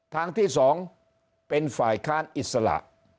ทางที่๒เป็นฝ่ายค้านอิสระ